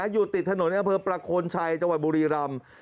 อยู่ติดถนนในอำเภอประโคนชัยจังหวัดบุรีรำ